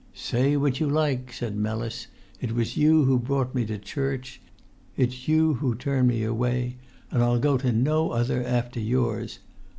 "Say what you like," said Mellis; "it was you brought me to church; it's you who turn me away; and I'll go to no other after yours.